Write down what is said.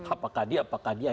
apakah dia apakah dia